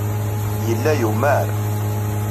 Yella yumar.